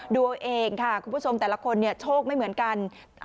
ดูเอาเองค่ะคุณผู้ชมแต่ละคนโชคไม่เหมือนกัน